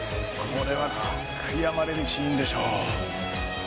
これは悔やまれるシーンでしょう。